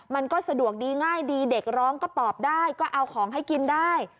มันก็สะดวกดีง่ายดีเด็กร้องก็ตอบได้ก็เอาของให้กินได้